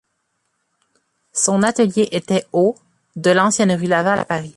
Son atelier était au de l'ancienne rue Laval à Paris.